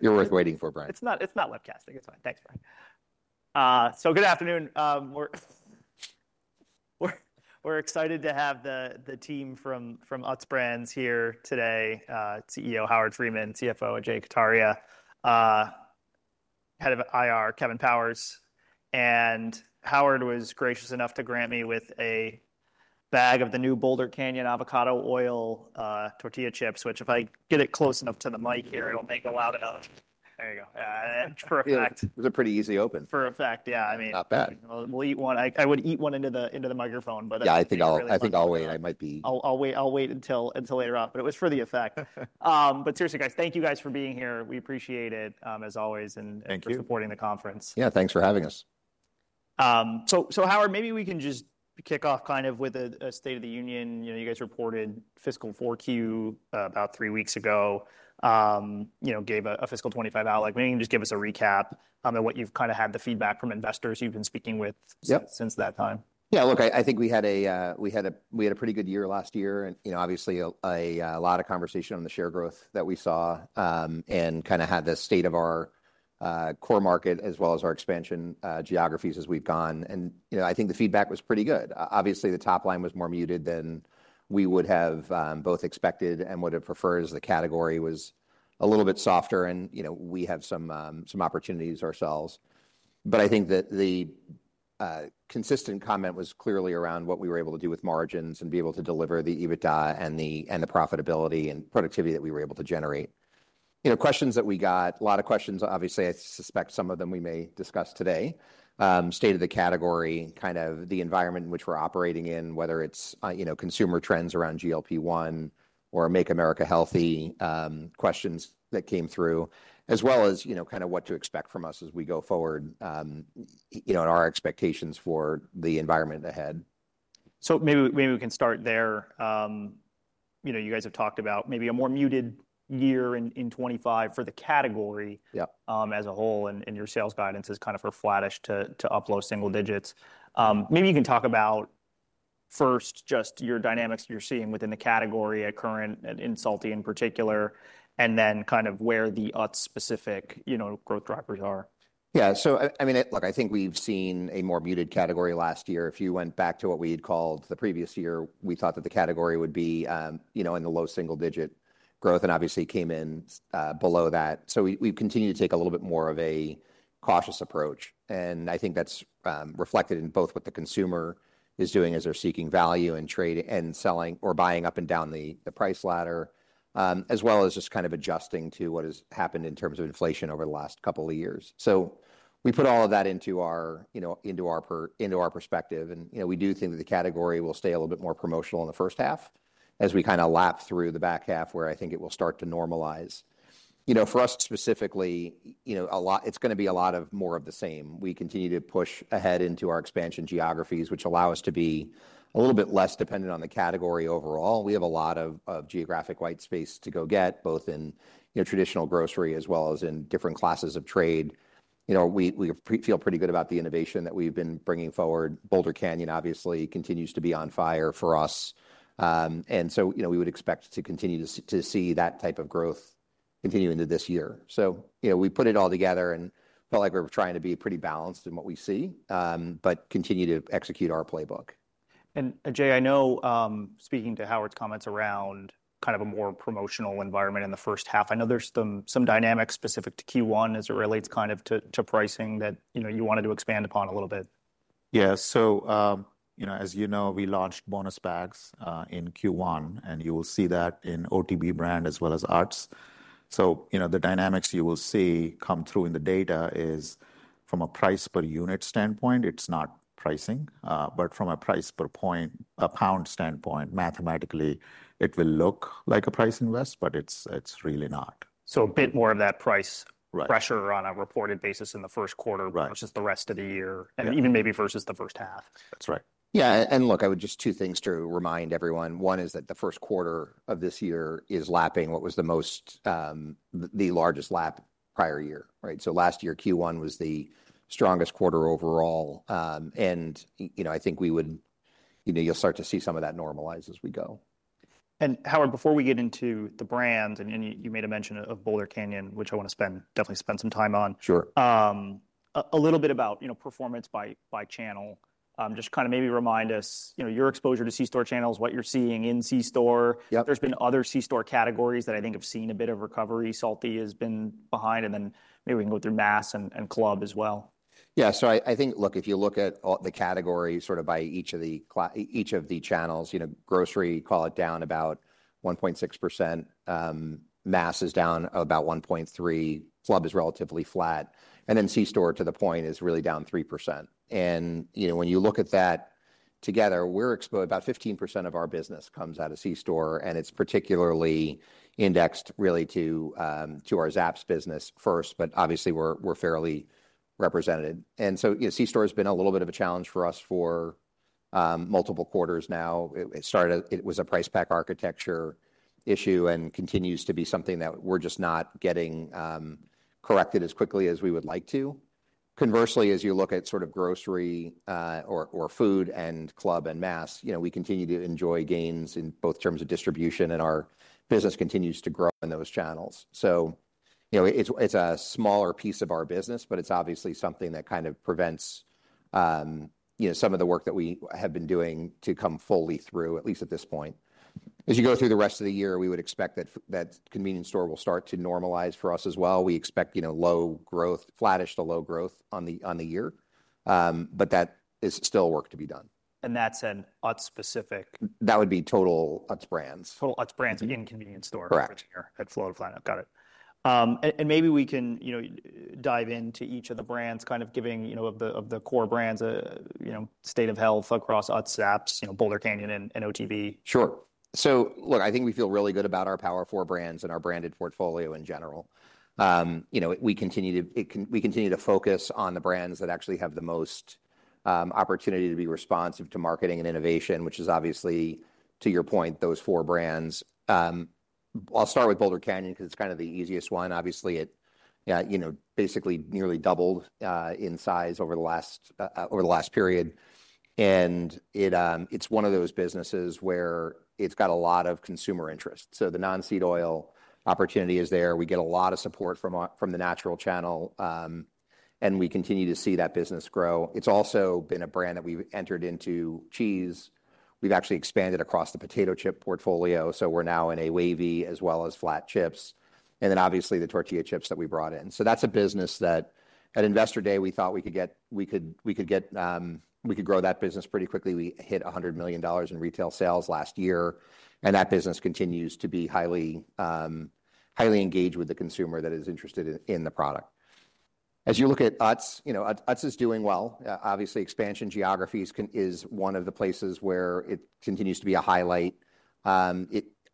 You're worth waiting for, Brian. It's not, it's not webcasting. It's fine. Thanks, Brian. Good afternoon. We're excited to have the team from Utz Brands here today. CEO Howard Friedman, CFO Ajay Kataria, Head of IR Kevin Powers. Howard was gracious enough to grant me with a bag of the new Boulder Canyon avocado oil tortilla chips, which if I get it close enough to the mic here, it'll make a loud enough—there you go. Yeah. And for a fact. It was a pretty easy open. For a fact. Yeah. I mean. Not bad. We'll eat one. I would eat one into the microphone, but. Yeah, I think I'll wait. I might be. I'll wait, I'll wait until later on, but it was for the effect. But seriously, guys, thank you guys for being here. We appreciate it, as always, and for supporting the conference. Thank you. Yeah, thanks for having us. Howard, maybe we can just kick off kind of with a state of the union. You know, you guys reported fiscal 4Q about three weeks ago. You know, gave a fiscal 2025 outlook. Maybe you can just give us a recap, and what you've kind of had the feedback from investors you've been speaking with since that time. Yeah. Look, I think we had a, we had a pretty good year last year and, you know, obviously a lot of conversation on the share growth that we saw, and kind of had the state of our core market as well as our expansion geographies as we've gone. And, you know, I think the feedback was pretty good. Obviously, the top line was more muted than we would have both expected and would have preferred as the category was a little bit softer. And, you know, we have some opportunities ourselves. I think that the consistent comment was clearly around what we were able to do with margins and be able to deliver the EBITDA and the profitability and productivity that we were able to generate. You know, questions that we got, a lot of questions, obviously, I suspect some of them we may discuss today, state of the category, kind of the environment in which we're operating in, whether it's, you know, consumer trends around GLP-1 or Make America Healthy, questions that came through, as well as, you know, kind of what to expect from us as we go forward, you know, and our expectations for the environment ahead. Maybe we can start there. You know, you guys have talked about maybe a more muted year in 2025 for the category. Yeah. as a whole, and your sales guidance is kind of for flattish to up low single digits. maybe you can talk about first just your dynamics you're seeing within the category at current and in salty in particular, and then kind of where the Utz specific, you know, growth drivers are. Yeah. So, I mean, look, I think we've seen a more muted category last year. If you went back to what we had called the previous year, we thought that the category would be, you know, in the low single digit growth and obviously came in below that. We have continued to take a little bit more of a cautious approach. I think that's reflected in both what the consumer is doing as they're seeking value and trade and selling or buying up and down the price ladder, as well as just kind of adjusting to what has happened in terms of inflation over the last couple of years. We put all of that into our perspective. You know, we do think that the category will stay a little bit more promotional in the first half as we kind of lap through the back half where I think it will start to normalize. You know, for us specifically, you know, a lot, it's gonna be a lot more of the same. We continue to push ahead into our expansion geographies, which allow us to be a little bit less dependent on the category overall. We have a lot of geographic white space to go get both in, you know, traditional grocery as well as in different classes of trade. You know, we feel pretty good about the innovation that we've been bringing forward. Boulder Canyon obviously continues to be on fire for us, and so, you know, we would expect to continue to see that type of growth continue into this year. You know, we put it all together and felt like we were trying to be pretty balanced in what we see, but continue to execute our playbook. Ajay, I know, speaking to Howard's comments around kind of a more promotional environment in the first half, I know there's some dynamics specific to Q1 as it relates kind of to, to pricing that, you know, you wanted to expand upon a little bit. Yeah. So, you know, as you know, we launched bonus bags in Q1, and you will see that in OTB brand as well as Utz. So, you know, the dynamics you will see come through in the data is from a price per unit standpoint, it's not pricing, but from a price per pound standpoint, mathematically it will look like a price invest, but it's, it's really not. A bit more of that price pressure on a reported basis in the first quarter versus the rest of the year and even maybe versus the first half. That's right. Yeah. I would just, two things to remind everyone. One is that the first quarter of this year is lapping what was the most, the largest lap prior year, right? Last year Q1 was the strongest quarter overall. You know, I think we would, you know, you'll start to see some of that normalize as we go. Howard, before we get into the brands, and you made a mention of Boulder Canyon, which I wanna definitely spend some time on. Sure. A little bit about, you know, performance by, by channel. Just kind of maybe remind us, you know, your exposure to C-store channels, what you're seeing in C-store. Yep. There's been other C-store categories that I think have seen a bit of recovery. Salty has been behind. Maybe we can go through mass and club as well. Yeah. I think, look, if you look at all the category sort of by each of the, each of the channels, you know, grocery, call it down about 1.6%. Mass is down about 1.3%. Club is relatively flat. You know, C-store to the point is really down 3%. You know, when you look at that together, we're, about 15% of our business comes out of C-store, and it's particularly indexed really to our Zapp's business first, but obviously we're, we're fairly represented. You know, C-store has been a little bit of a challenge for us for multiple quarters now. It started, it was a price pack architecture issue and continues to be something that we're just not getting corrected as quickly as we would like to. Conversely, as you look at sort of grocery, or, or food and club and mass, you know, we continue to enjoy gains in both terms of distribution and our business continues to grow in those channels. You know, it's, it's a smaller piece of our business, but it's obviously something that kind of prevents, you know, some of the work that we have been doing to come fully through, at least at this point. As you go through the rest of the year, we would expect that convenience store will start to normalize for us as well. We expect, you know, low growth, flattish to low growth on the year. That is still work to be done. That's an Utz specific. That would be total Utz Brands. Total Utz Brands in convenience store. Correct. For the year at flow to flat out. Got it. Maybe we can, you know, dive into each of the brands, kind of giving, you know, of the, of the core brands a, you know, state of health across Utz, Zapp's, Boulder Canyon and, you know, OTB. Sure. Look, I think we feel really good about our Power 4 brands and our branded portfolio in general. You know, we continue to, we continue to focus on the brands that actually have the most opportunity to be responsive to marketing and innovation, which is obviously to your point, those four brands. I'll start with Boulder Canyon 'cause it's kind of the easiest one. Obviously, it basically nearly doubled in size over the last period. It's one of those businesses where it's got a lot of consumer interest. The non-seed oil opportunity is there. We get a lot of support from the natural channel, and we continue to see that business grow. It's also been a brand that we've entered into cheese. We've actually expanded across the potato chip portfolio. We're now in a wavy as well as flat chips. And then obviously the tortilla chips that we brought in. That's a business that at investor day we thought we could get, we could, we could get, we could grow that business pretty quickly. We hit $100 million in retail sales last year. That business continues to be highly, highly engaged with the consumer that is interested in the product. As you look at Utz, you know, Utz, Utz is doing well. Obviously expansion geographies can is one of the places where it continues to be a highlight. In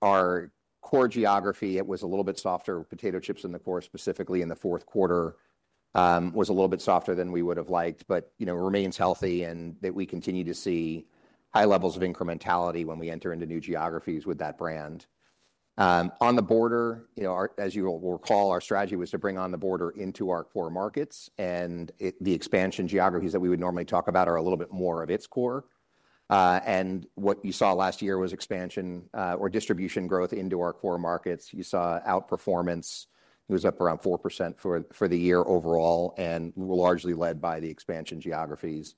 our core geography, it was a little bit softer. Potato chips in the core specifically in the fourth quarter, was a little bit softer than we would've liked, but, you know, remains healthy and that we continue to see high levels of incrementality when we enter into new geographies with that brand. On The Border, you know, our, as you will recall, our strategy was to bring On The Border into our core markets. And it, the expansion geographies that we would normally talk about are a little bit more of its core. What you saw last year was expansion, or distribution growth into our core markets. You saw outperformance. It was up around 4% for the year overall and largely led by the expansion geographies.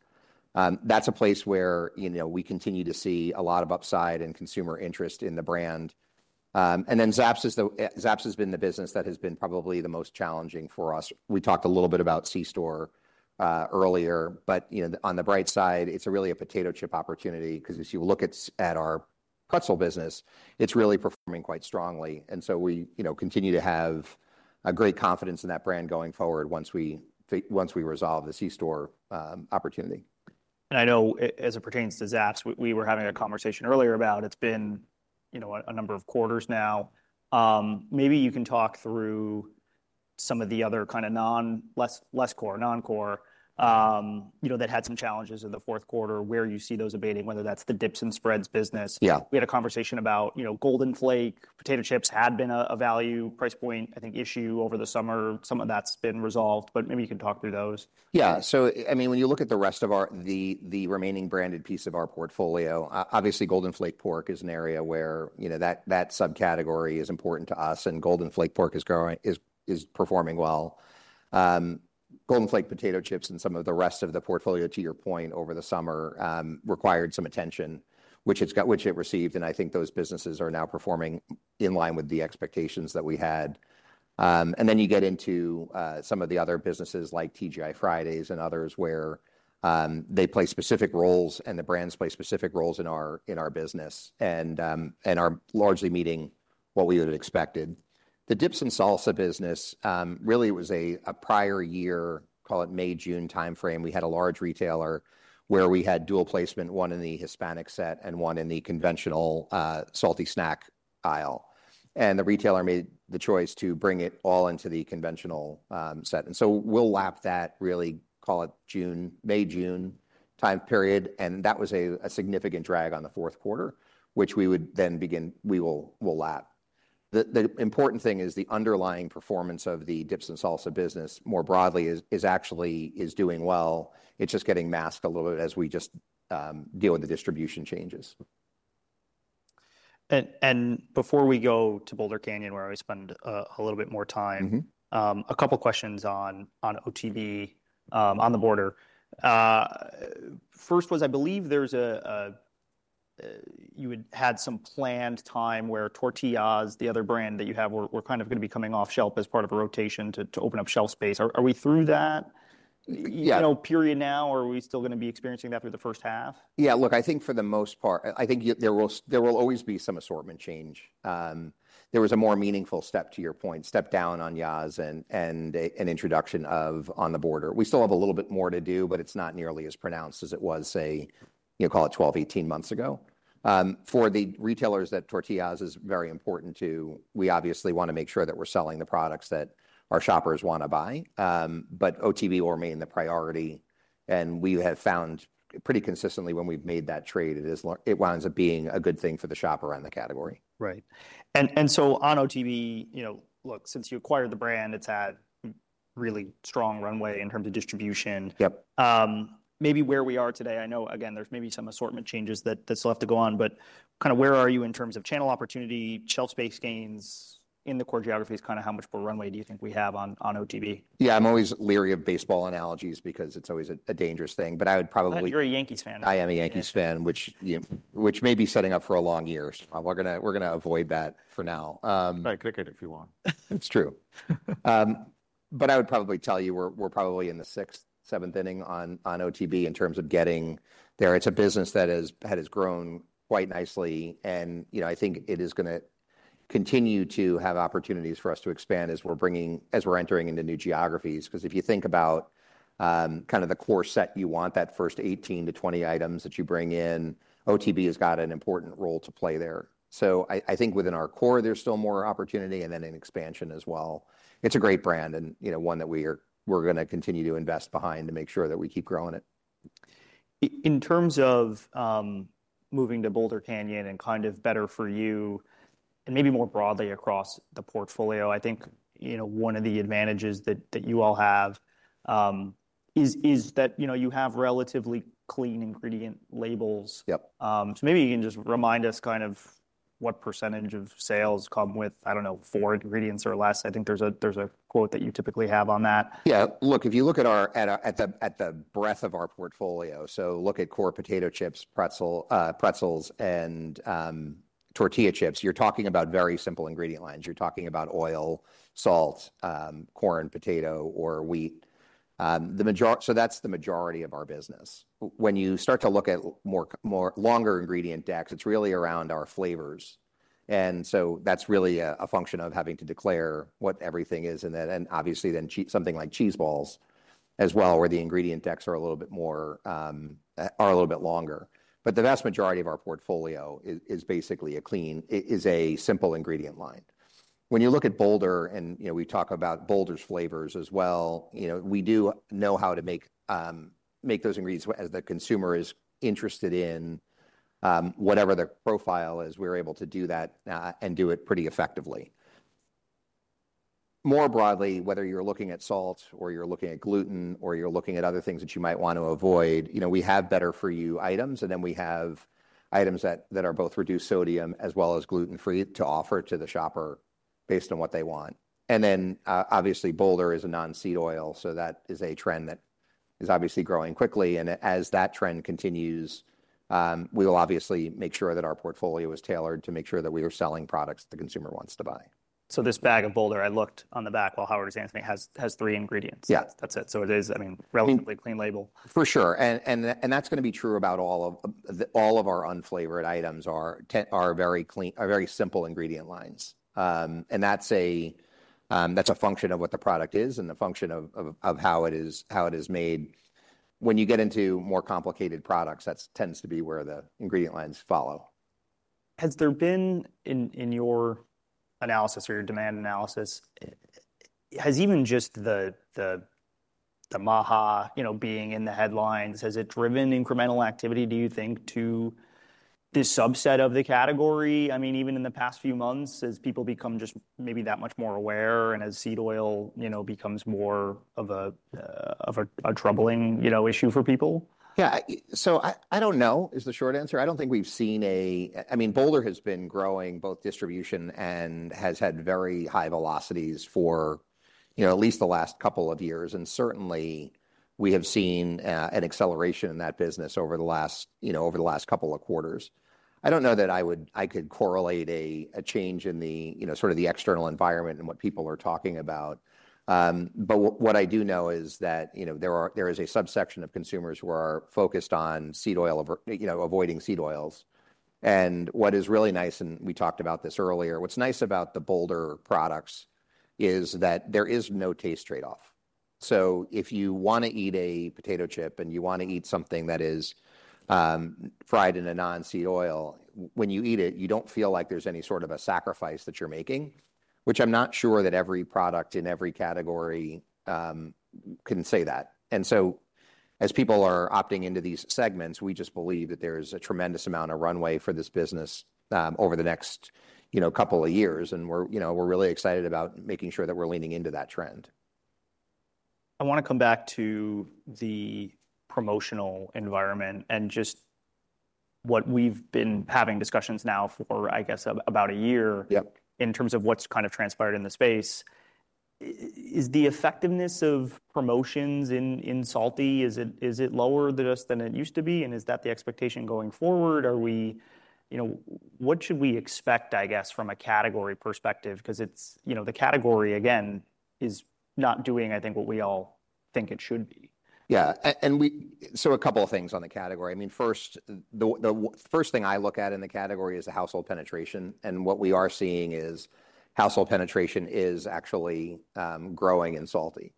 That's a place where, you know, we continue to see a lot of upside and consumer interest in the brand. Zapp's is the, Zapp's has been the business that has been probably the most challenging for us. We talked a little bit about C-store earlier, but, you know, on the bright side, it's really a potato chip opportunity 'cause as you look at our pretzel business, it's really performing quite strongly. And so we, you know, continue to have a great confidence in that brand going forward once we, once we resolve the C-store opportunity. I know as it pertains to Zapp's, we were having a conversation earlier about it's been, you know, a number of quarters now. Maybe you can talk through some of the other kind of non, less, less core, non core, you know, that had some challenges in the fourth quarter, where you see those abating, whether that's the dips and spreads business. Yeah. We had a conversation about, you know, Golden Flake potato chips had been a, a value price point, I think issue over the summer. Some of that's been resolved, but maybe you can talk through those. Yeah. I mean, when you look at the rest of our, the remaining branded piece of our portfolio, obviously Golden Flake pork is an area where, you know, that subcategory is important to us and Golden Flake pork is growing, is performing well. Golden Flake potato chips and some of the rest of the portfolio, to your point over the summer, required some attention, which it got, which it received. I think those businesses are now performing in line with the expectations that we had. Then you get into some of the other businesses like TGI Fridays and others where they play specific roles and the brands play specific roles in our business and are largely meeting what we would've expected. The dips and salsa business really was a prior year, call it May, June timeframe. We had a large retailer where we had dual placement, one in the Hispanic set and one in the conventional, salty snack aisle. The retailer made the choice to bring it all into the conventional set. We will lap that, really call it May, June time period. That was a significant drag on the fourth quarter, which we will lap. The important thing is the underlying performance of the dips and salsa business more broadly is actually doing well. It's just getting masked a little bit as we deal with the distribution changes. Before we go to Boulder Canyon, where I always spend a little bit more time. Mm-hmm. A couple questions on, on OTB, On The Border. First was I believe there's a, a, you had had some planned time where Tortiyahs, the other brand that you have, were, were kind of gonna be coming off shelf as part of a rotation to, to open up shelf space. Are, are we through that? Yeah. You know, period now, or are we still gonna be experiencing that through the first half? Yeah. Look, I think for the most part, I think you there will, there will always be some assortment change. There was a more meaningful step, to your point, step down on Tortiyahs and, and an introduction of On The Border. We still have a little bit more to do, but it's not nearly as pronounced as it was, say, you know, call it 12, 18 months ago. For the retailers that Tortiyahs is very important to, we obviously wanna make sure that we're selling the products that our shoppers wanna buy. OTB will remain the priority. We have found pretty consistently when we've made that trade, it is, it winds up being a good thing for the shopper on the category. Right. And so on OTB, you know, look, since you acquired the brand, it's had really strong runway in terms of distribution. Yep. Maybe where we are today, I know again, there's maybe some assortment changes that still have to go on, but kind of where are you in terms of channel opportunity, shelf space gains in the core geographies? Kind of how much more runway do you think we have on OTB? Yeah. I'm always leery of baseball analogies because it's always a dangerous thing, but I would probably. You're a Yankees fan. I am a Yankees fan, which, you know, which may be setting up for a long year. We are gonna, we are gonna avoid that for now. I could look at it if you want. It's true. I would probably tell you we're probably in the sixth, seventh inning on OTB in terms of getting there. It's a business that has grown quite nicely. You know, I think it is gonna continue to have opportunities for us to expand as we're bringing, as we're entering into new geographies. 'Cause if you think about kind of the core set, you want that first 18 to 20 items that you bring in. OTB has got an important role to play there. I think within our core there's still more opportunity and then an expansion as well. It's a great brand and, you know, one that we are gonna continue to invest behind to make sure that we keep growing it. In terms of, moving to Boulder Canyon and kind of better for you and maybe more broadly across the portfolio, I think, you know, one of the advantages that you all have is that, you know, you have relatively clean ingredient labels. Yep. Maybe you can just remind us kind of what percentage of sales come with, I don't know, four ingredients or less. I think there's a, there's a quote that you typically have on that. Yeah. Look, if you look at our, at the breadth of our portfolio, look at core potato chips, pretzels, and tortilla chips. You're talking about very simple ingredient lines. You're talking about oil, salt, corn, potato, or wheat. That's the majority of our business. When you start to look at more, more longer ingredient decks, it's really around our flavors. That's really a function of having to declare what everything is. Obviously, then something like cheese balls as well, where the ingredient decks are a little bit more, are a little bit longer. The vast majority of our portfolio is basically a clean, it is a simple ingredient line. When you look at Boulder and, you know, we talk about Boulder's flavors as well, you know, we do know how to make those ingredients as the consumer is interested in, whatever the profile is, we're able to do that, and do it pretty effectively. More broadly, whether you're looking at salt or you're looking at gluten or you're looking at other things that you might wanna avoid, you know, we have better for you items. And then we have items that are both reduced sodium as well as gluten free to offer to the shopper based on what they want. Obviously Boulder is a non-seed oil. That is a trend that is obviously growing quickly. As that trend continues, we will obviously make sure that our portfolio is tailored to make sure that we are selling products that the consumer wants to buy. This bag of Boulder, I looked on the back while Howard is answering, has three ingredients. Yeah. That's it. It is, I mean, relatively clean label. For sure. That's gonna be true about all of our unflavored items. They are very clean, are very simple ingredient lines. That's a function of what the product is and the function of how it is made. When you get into more complicated products, that tends to be where the ingredient lines follow. Has there been, in your analysis or your demand analysis, has even just the, the, the MAHA, you know, being in the headlines, has it driven incremental activity, do you think, to this subset of the category? I mean, even in the past few months, has people become just maybe that much more aware and as seed oil, you know, becomes more of a, of a, a troubling, you know, issue for people? Yeah. I don't know is the short answer. I don't think we've seen a, I mean, Boulder has been growing both distribution and has had very high velocities for, you know, at least the last couple of years. Certainly we have seen an acceleration in that business over the last, you know, over the last couple of quarters. I don't know that I would, I could correlate a change in the, you know, sort of the external environment and what people are talking about. What I do know is that, you know, there are, there is a subsection of consumers who are focused on seed oil or, you know, avoiding seed oils. What is really nice, and we talked about this earlier, what's nice about the Boulder products is that there is no taste trade-off. If you wanna eat a potato chip and you wanna eat something that is fried in a non-seed oil, when you eat it, you don't feel like there's any sort of a sacrifice that you're making, which I'm not sure that every product in every category can say that. As people are opting into these segments, we just believe that there is a tremendous amount of runway for this business over the next, you know, couple of years. We're, you know, really excited about making sure that we're leaning into that trend. I wanna come back to the promotional environment and just what we've been having discussions now for, I guess, about a year. Yep. In terms of what's kind of transpired in the space, is the effectiveness of promotions in, in salty, is it lower than it used to be? Is that the expectation going forward? Are we, you know, what should we expect, I guess, from a category perspective? 'Cause it's, you know, the category again is not doing, I think, what we all think it should be. Yeah. And we, so a couple of things on the category. I mean, first, the first thing I look at in the category is the household penetration. And what we are seeing is household penetration is actually growing in salty.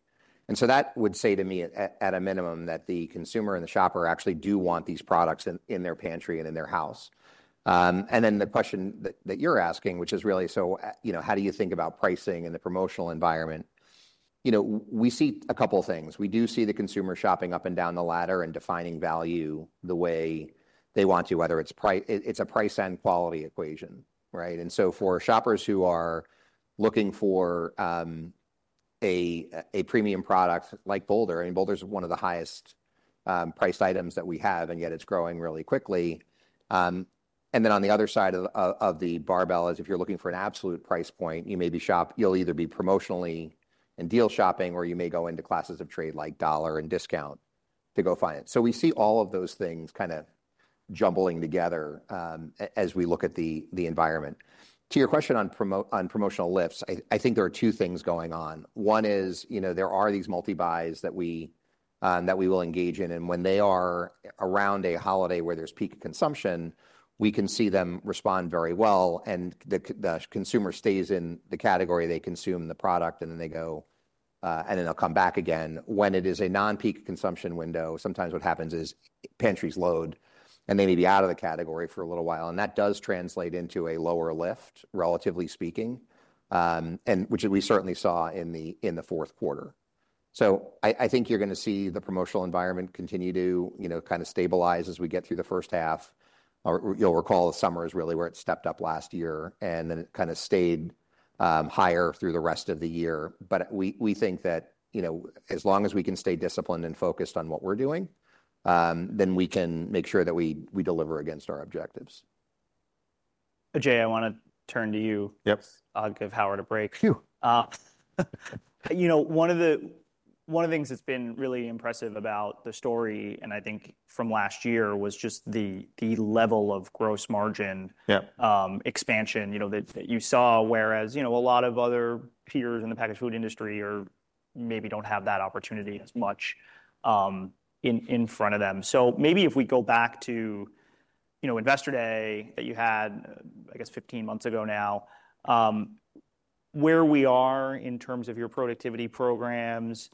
That would say to me at a minimum that the consumer and the shopper actually do want these products in their pantry and in their house. The question that you are asking, which is really, so, you know, how do you think about pricing and the promotional environment? You know, we see a couple things. We do see the consumer shopping up and down the ladder and defining value the way they want to, whether it is price, it is a price and quality equation, right? For shoppers who are looking for a premium product like Boulder, I mean, Boulder is one of the highest priced items that we have, and yet it's growing really quickly. On the other side of the barbell, if you're looking for an absolute price point, you may be promotionally and deal shopping, or you may go into classes of trade like dollar and discount to go find it. We see all of those things kind of jumbling together as we look at the environment. To your question on promotional lifts, I think there are two things going on. One is, you know, there are these multi buys that we will engage in. When they are around a holiday where there's peak consumption, we can see them respond very well. The consumer stays in the category, they consume the product, and then they go, and then they'll come back again. When it is a non-peak consumption window, sometimes what happens is pantries load and they may be out of the category for a little while. That does translate into a lower lift, relatively speaking, which we certainly saw in the fourth quarter. I think you're gonna see the promotional environment continue to, you know, kind of stabilize as we get through the first half. You'll recall the summer is really where it stepped up last year and then it kind of stayed higher through the rest of the year. We think that, you know, as long as we can stay disciplined and focused on what we're doing, then we can make sure that we deliver against our objectives. Ajay, I wanna turn to you. Yep. I'll give Howard a break. Phew. You know, one of the, one of the things that's been really impressive about the story, and I think from last year was just the, the level of gross margin. Yep. Expansion, you know, that you saw, whereas, you know, a lot of other peers in the packaged food industry maybe don't have that opportunity as much in front of them. If we go back to, you know, investor day that you had, I guess, 15 months ago now, where we are in terms of your productivity programs,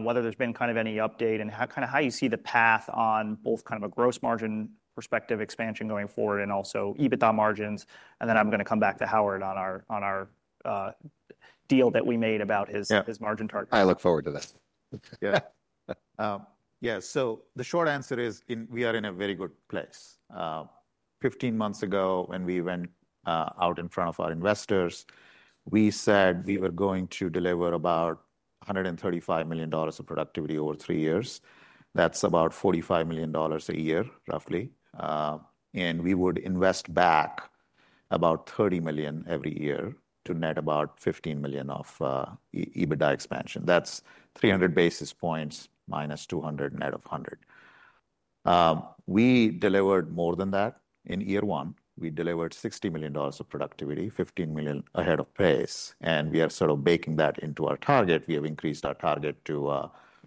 whether there's been any update and how you see the path on both a gross margin perspective expansion going forward and also EBITDA margins. Then I'm gonna come back to Howard on our deal that we made about his. Yeah. His margin target. I look forward to that. Yeah. Yeah. The short answer is, we are in a very good place. Fifteen months ago when we went out in front of our investors, we said we were going to deliver about $135 million of productivity over three years. That is about $45 million a year, roughly, and we would invest back about $30 million every year to net about $15 million of EBITDA expansion. That is 300 basis points minus 200 net of 100. We delivered more than that in year one. We delivered $60 million of productivity, $15 million ahead of plan. We are sort of baking that into our target. We have increased our target to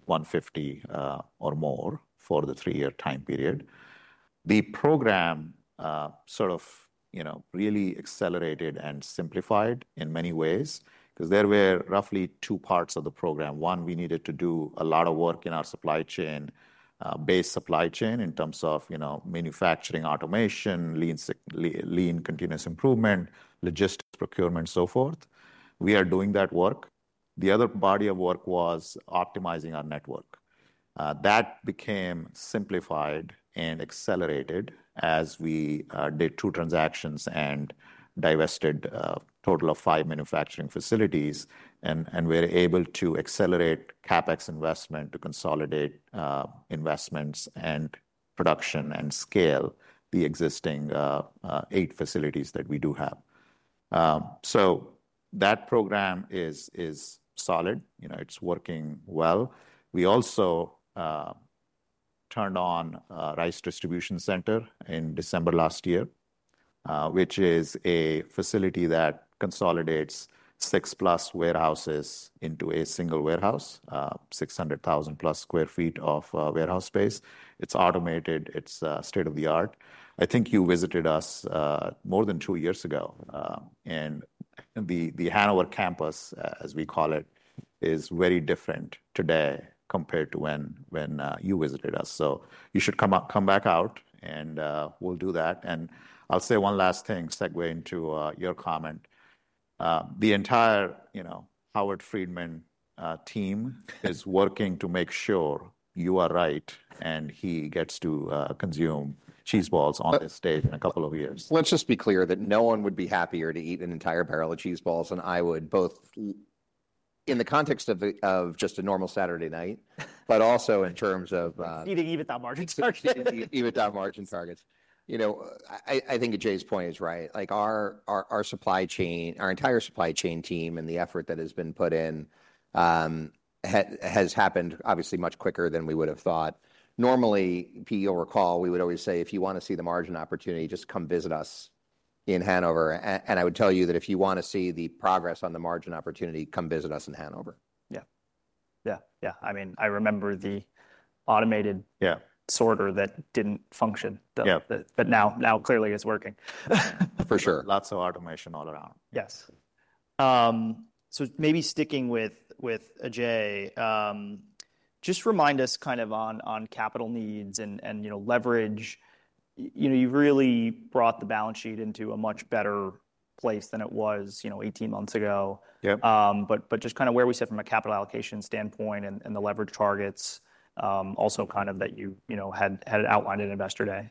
$150 million or more for the three-year time period. The program really accelerated and simplified in many ways because there were roughly two parts of the program. One, we needed to do a lot of work in our supply chain, based supply chain in terms of, you know, manufacturing automation, lean, lean continuous improvement, logistics, procurement, so forth. We are doing that work. The other body of work was optimizing our network. That became simplified and accelerated as we did two transactions and divested a total of five manufacturing facilities and were able to accelerate CapEx investment to consolidate investments and production and scale the existing eight facilities that we do have. That program is solid. You know, it's working well. We also turned on Rice Distribution Center in December last year, which is a facility that consolidates six plus warehouses into a single warehouse, 600,000 plus sq ft of warehouse space. It's automated. It's state of the art. I think you visited us more than two years ago. The Hanover campus, as we call it, is very different today compared to when you visited us. You should come back out and we'll do that. I'll say one last thing, segue into your comment. The entire, you know, Howard Friedman team is working to make sure you are right and he gets to consume cheese balls on this stage in a couple of years. Let's just be clear that no one would be happier to eat an entire barrel of cheese balls than I would, both in the context of just a normal Saturday night, but also in terms of, Eating EBITDA margin targets. EBITDA margin targets. You know, I think Ajay's point is right. Like our supply chain, our entire supply chain team and the effort that has been put in, has happened obviously much quicker than we would've thought. Normally, PE, you'll recall, we would always say, if you wanna see the margin opportunity, just come visit us in Hanover. I would tell you that if you wanna see the progress on the margin opportunity, come visit us in Hanover. Yeah. Yeah. Yeah. I mean, I remember the automated. Yeah. Sorter that didn't function. Yeah. That now clearly is working. For sure. Lots of automation all around. Yes. Maybe sticking with Ajay, just remind us kind of on capital needs and, you know, leverage, you know, you've really brought the balance sheet into a much better place than it was, you know, 18 months ago. Yep. Just kind of where we sit from a capital allocation standpoint and the leverage targets, also kind of that you, you know, had outlined at investor day.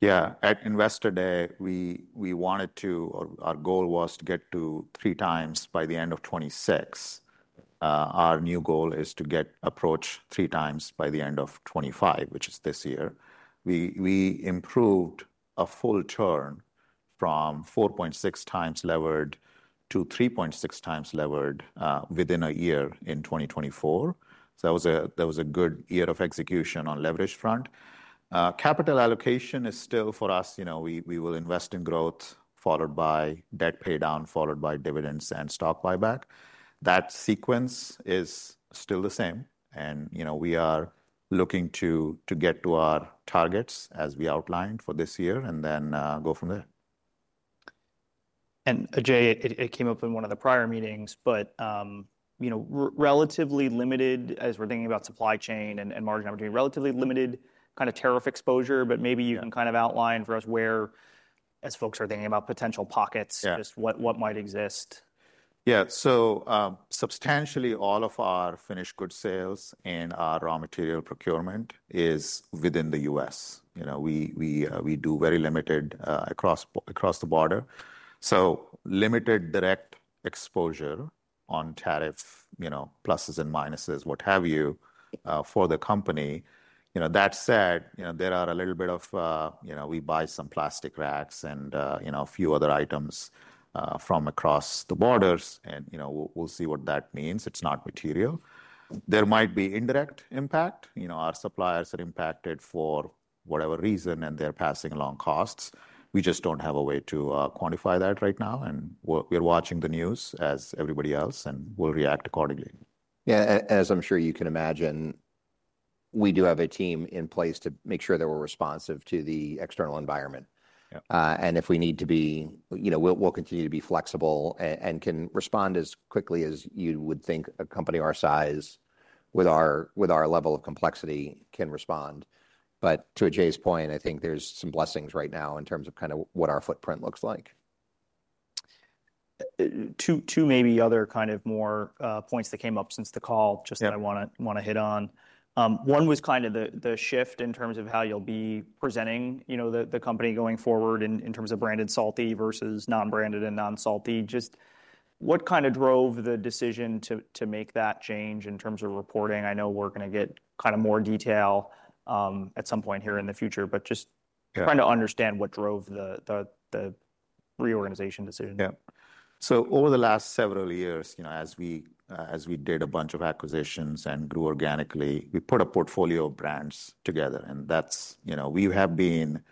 Yeah. At investor day, we wanted to, or our goal was to get to three times by the end of 2026. Our new goal is to get approach three times by the end of 2025, which is this year. We improved a full turn from 4.6 times levered to 3.6 times levered, within a year in 2024. That was a good year of execution on leverage front. Capital allocation is still for us, you know, we will invest in growth followed by debt pay down, followed by dividends and stock buyback. That sequence is still the same. You know, we are looking to get to our targets as we outlined for this year and then go from there. Ajay, it came up in one of the prior meetings, but, you know, relatively limited as we're thinking about supply chain and margin opportunity, relatively limited kind of tariff exposure. Maybe you can kind of outline for us where, as folks are thinking about potential pockets. Yeah. Just what might exist. Yeah. Substantially all of our finished good sales and our raw material procurement is within the U.S. You know, we do very limited, across the border. So limited direct exposure on tariff, you know, pluses and minuses, what have you, for the company. You know, that said, you know, there are a little bit of, you know, we buy some plastic racks and, you know, a few other items, from across the borders and, you know, we'll see what that means. It's not material. There might be indirect impact. You know, our suppliers are impacted for whatever reason and they're passing along costs. We just don't have a way to quantify that right now. And we're watching the news as everybody else and we'll react accordingly. Yeah. As I'm sure you can imagine, we do have a team in place to make sure that we're responsive to the external environment. Yeah. and if we need to be, you know, we'll, we'll continue to be flexible and can respond as quickly as you would think a company our size with our, with our level of complexity can respond. To Ajay's point, I think there's some blessings right now in terms of kind of what our footprint looks like. Two, two maybe other kind of more, points that came up since the call just that I wanna, wanna hit on. One was kind of the, the shift in terms of how you'll be presenting, you know, the, the company going forward in, in terms of branded salty versus non-branded and non-salty. Just what kind of drove the decision to, to make that change in terms of reporting? I know we're gonna get kind of more detail, at some point here in the future, but just trying to understand what drove the, the, the reorganization decision. Yeah. Over the last several years, you know, as we did a bunch of acquisitions and grew organically, we put a portfolio of brands together and that's, you know, we have been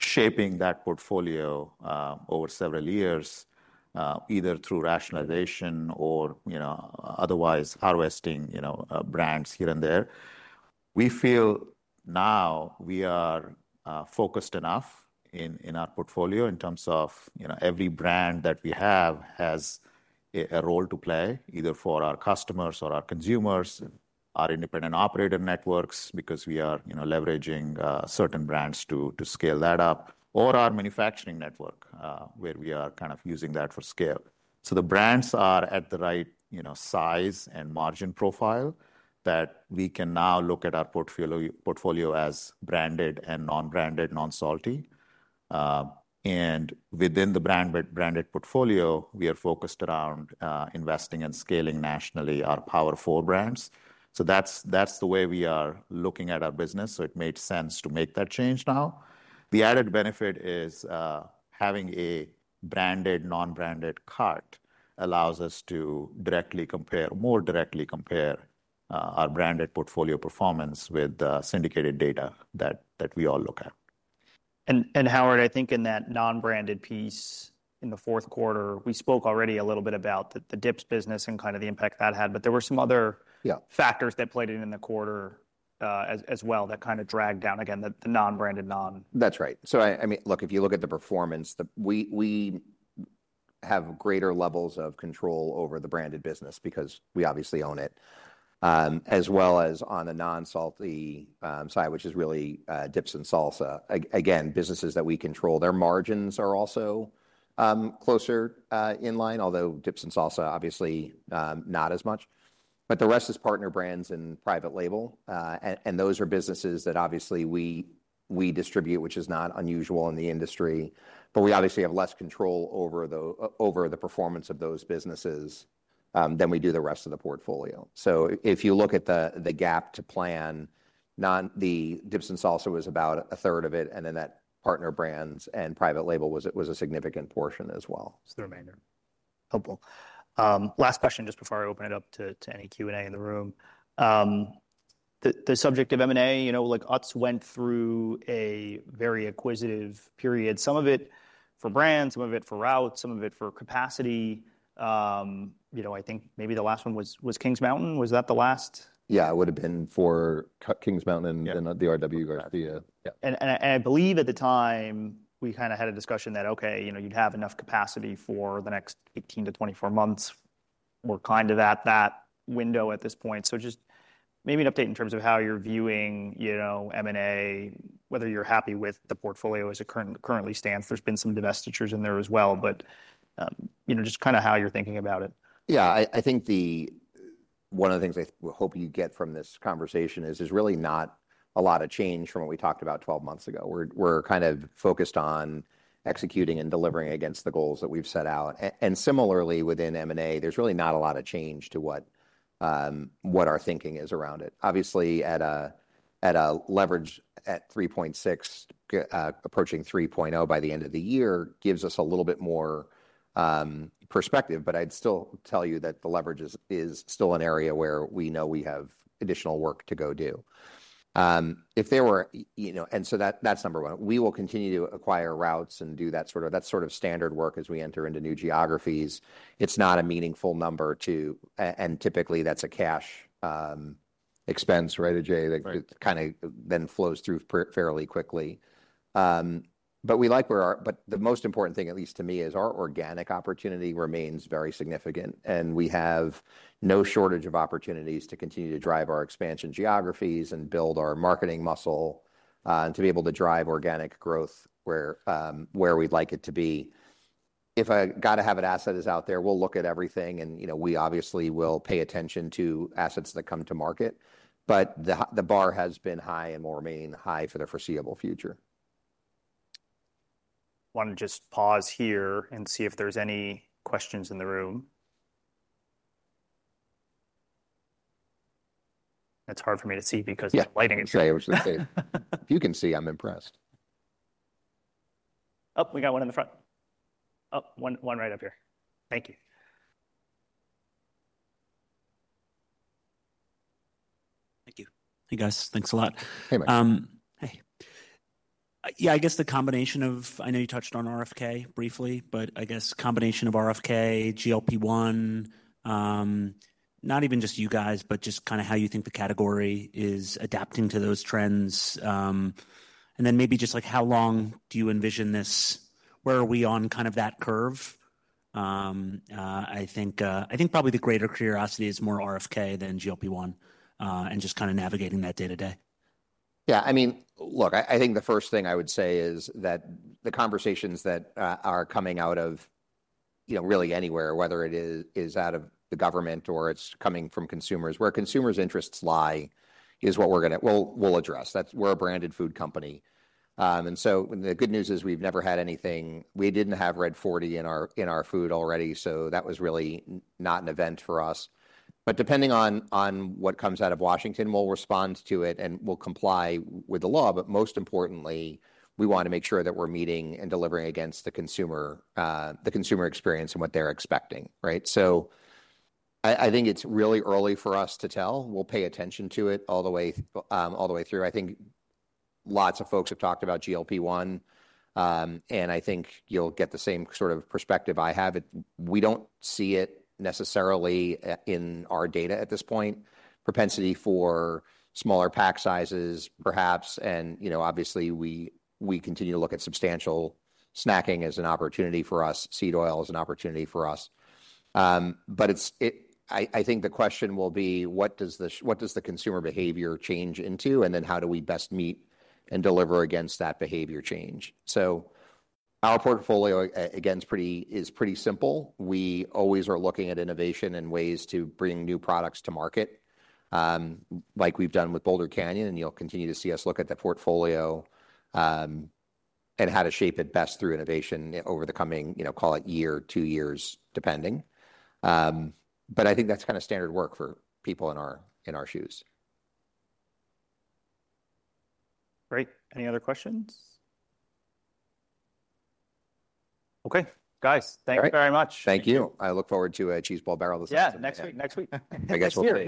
shaping that portfolio over several years, either through rationalization or, you know, otherwise harvesting, you know, brands here and there. We feel now we are focused enough in our portfolio in terms of, you know, every brand that we have has a role to play either for our customers or our consumers, our independent operator networks, because we are, you know, leveraging certain brands to scale that up, or our manufacturing network, where we are kind of using that for scale. The brands are at the right, you know, size and margin profile that we can now look at our portfolio as branded and non-branded, non-salty. Within the branded portfolio, we are focused around investing and scaling nationally our powerful brands. That is the way we are looking at our business. It made sense to make that change now. The added benefit is, having a branded, non-branded cart allows us to directly compare, more directly compare, our branded portfolio performance with the syndicated data that we all look at. Howard, I think in that non-branded piece in the fourth quarter, we spoke already a little bit about the dips business and kind of the impact that had, but there were some other. Yeah. Factors that played in in the quarter, as, as well that kind of dragged down again the, the non-branded non. That's right. I mean, look, if you look at the performance, we have greater levels of control over the branded business because we obviously own it, as well as on the non-salty side, which is really dips and salsa. Again, businesses that we control, their margins are also closer in line, although dips and salsa obviously not as much. The rest is partner brands and private label, and those are businesses that obviously we distribute, which is not unusual in the industry, but we obviously have less control over the performance of those businesses than we do the rest of the portfolio. If you look at the gap to plan, dips and salsa was about a third of it, and then partner brands and private label was a significant portion as well. It's the remainder. Helpful. Last question just before I open it up to any Q&A in the room. The subject of M&A, you know, like Utz went through a very acquisitive period. Some of it for brand, some of it for routes, some of it for capacity. You know, I think maybe the last one was Kings Mountain. Was that the last? Yeah, it would've been for Kings Mountain and then the RW or the, yeah. I believe at the time we kind of had a discussion that, okay, you know, you'd have enough capacity for the next 18 to 24 months. We're kind of at that window at this point. Just maybe an update in terms of how you're viewing, you know, M&A, whether you're happy with the portfolio as it currently stands. There's been some divestitures in there as well, but, you know, just kind of how you're thinking about it. Yeah. I think one of the things I hope you get from this conversation is really not a lot of change from what we talked about 12 months ago. We're kind of focused on executing and delivering against the goals that we've set out. Similarly, within M&A, there's really not a lot of change to what our thinking is around it. Obviously, at a leverage at 3.6, approaching 3.0 by the end of the year gives us a little bit more perspective, but I'd still tell you that the leverage is still an area where we know we have additional work to go do. If there were, you know, and so that's number one. We will continue to acquire routes and do that sort of standard work as we enter into new geographies. It's not a meaningful number to, and typically that's a cash expense, right, Ajay? Right. That kind of then flows through fairly quickly. We like where our, but the most important thing, at least to me, is our organic opportunity remains very significant and we have no shortage of opportunities to continue to drive our expansion geographies and build our marketing muscle, and to be able to drive organic growth where, where we'd like it to be. If I gotta have an asset is out there, we'll look at everything and, you know, we obviously will pay attention to assets that come to market, but the bar has been high and will remain high for the foreseeable future. Wanna just pause here and see if there's any questions in the room. It's hard for me to see because the lighting is. Yeah. Ajay, I was gonna say, if you can see, I'm impressed. Oh, we got one in the front. Oh, one, one right up here. Thank you. Thank you. Hey guys, thanks a lot. Hey Mike. Hey. Yeah, I guess the combination of, I know you touched on RFK briefly, but I guess combination of RFK, GLP-1, not even just you guys, but just kind of how you think the category is adapting to those trends. And then maybe just like how long do you envision this? Where are we on kind of that curve? I think, I think probably the greater curiosity is more RFK than GLP-1, and just kind of navigating that day to day. Yeah. I mean, look, I think the first thing I would say is that the conversations that are coming out of, you know, really anywhere, whether it is out of the government or it's coming from consumers, where consumers' interests lie is what we're gonna, we'll address. That's, we're a branded food company. The good news is we've never had anything, we didn't have Red 40 in our food already. That was really not an event for us. Depending on what comes out of Washington, we'll respond to it and we'll comply with the law. Most importantly, we wanna make sure that we're meeting and delivering against the consumer, the consumer experience and what they're expecting. Right? I think it's really early for us to tell. We'll pay attention to it all the way, all the way through. I think lots of folks have talked about GLP-1, and I think you'll get the same sort of perspective I have. We don't see it necessarily in our data at this point, propensity for smaller pack sizes perhaps. And, you know, obviously we continue to look at substantial snacking as an opportunity for us, seed oil as an opportunity for us. I think the question will be, what does the, what does the consumer behavior change into? And then how do we best meet and deliver against that behavior change? So our portfolio, again, is pretty, is pretty simple. We always are looking at innovation and ways to bring new products to market, like we've done with Boulder Canyon. You'll continue to see us look at the portfolio, and how to shape it best through innovation over the coming, you know, call it year, two years depending. I think that's kind of standard work for people in our, in our shoes. Great. Any other questions? Okay. Guys, thanks very much. Thank you. I look forward to a cheese ball barrel this week. Yeah. Next week, next week. I guess we'll hear.